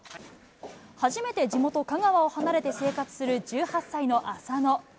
初めて地元、香川を離れて生活する１８歳の浅野。